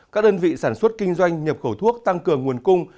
các đơn vị sản xuất kinh doanh nhập khẩu thuốc tăng cường nguồn cung